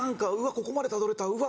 ここまでたどれたうわ